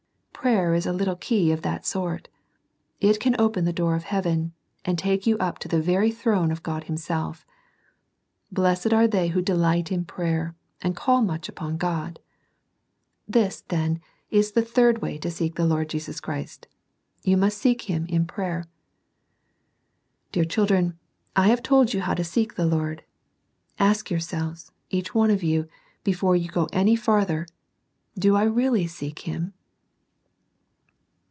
Prayer is a little key of that sort. It can open the door of heaven, and take you up to the very throne of God Himself. Blessed are they who delight in prayer, and call m\icK\i3^\s.CiKA. 126 SERMONS FOR CHILDREN. This, then, is the third way to seek the Lord Jesus Christ You must seek Him in prayer. Dear children, I have told you how to seek the Lord. Ask yourselves, each one of you, before you go any further. Do I really seek Him?